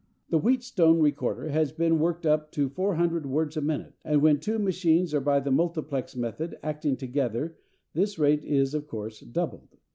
The Wheatstone recorder has been worked up to 400 words a minute, and when two machines are by the multiplex method acting together this rate is of course doubled.